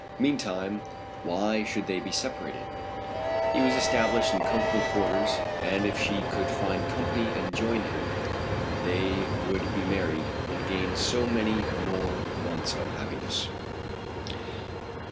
Meantime why should they be separated? He was established in comfortable quarters, and if she could find company and join him, they would be married, and gain so many more months of happiness.